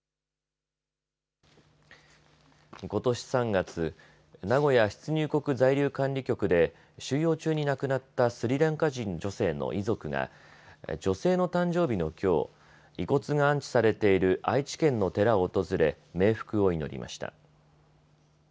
ことし３月、名古屋出入国在留管理局で収容中に亡くなったスリランカ人女性の遺族が女性の誕生日のきょう、遺骨が安置されている愛知県の寺を訪れ冥福を祈りました。